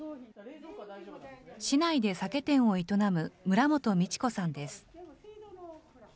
市内で酒店を営む村元美智子さんです。